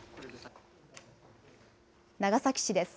長崎市です。